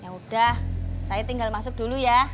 yaudah saya tinggal masuk dulu ya